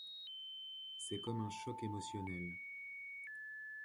C'est comme un choc émotionnel.